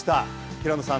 平野さん